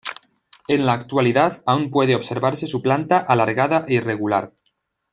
En la actualidad aún puede observarse su planta alargada e irregular.